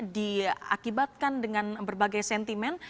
diakibatkan dengan berbagai sentimen